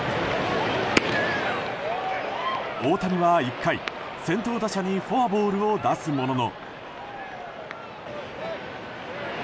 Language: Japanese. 大谷は１回、先頭打者にフォアボールを出すものの。